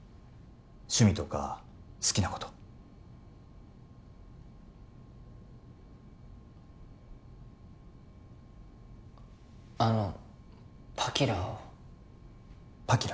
趣味とか好きなことあのパキラをパキラ？